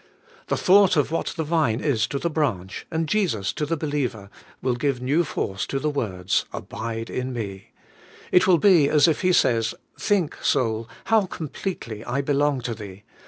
The thought of what the Vine is to the branch, and Jesus to the believer, will give new force 40 ABIDE IN CHRIST: to the words, * Abide in me!' It will be as if He says, 'Think, soul, how completely I belong to thee.